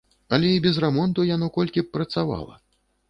Але і без рамонту яно колькі б працавала.